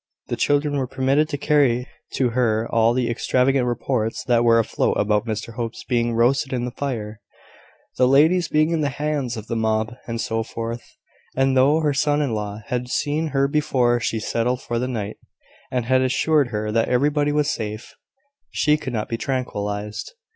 The children were permitted to carry to her all the extravagant reports that were afloat about Mr Hope being roasted in the fire, the ladies being in the hands of the mob, and so forth; and though her son in law had seen her before she settled for the night, and had assured her that everybody was safe, she could not be tranquillised.